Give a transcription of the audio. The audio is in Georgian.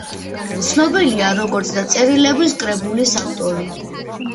ცნობილია, როგორც და წერილების კრებულის ავტორი.